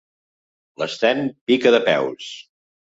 L'Sten pica de peus.